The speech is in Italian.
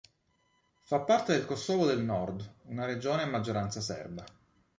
Fa parte del Kosovo del nord, una regione a maggioranza serba.